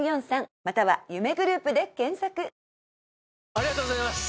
ありがとうございます！